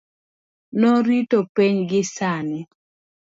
norito penj gi sani